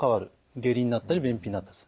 下痢になったり便秘になったりする。